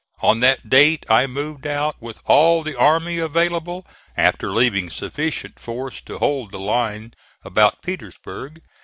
On that date I moved out with all the army available after leaving sufficient force to hold the line about Petersburg.